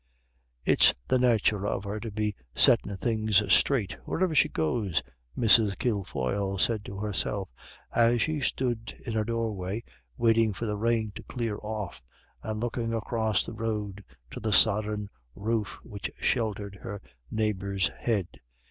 "It's the nathur of her to be settin' things straight wherever she goes," Mrs. Kilfoyle said to herself as she stood in her doorway waiting for the rain to clear off, and looking across the road to the sodden roof which sheltered her neighbor's head.